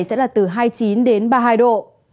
sẽ là từ hai mươi chín đến ba mươi hai độ